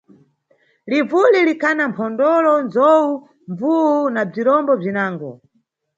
Livuli likhana mphondolo, ndzowu, mbvuwu na bzirombo bzinango.